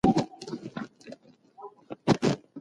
تاسي ولي په خپله ځواني کي د دین احکام نه منئ؟